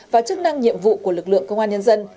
và chức năng nhiệm vụ của lực lượng công an nhân dân